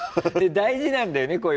大事なんだよね